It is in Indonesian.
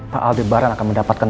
pak aldebaran akan mendapatkan